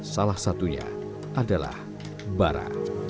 salah satunya adalah bara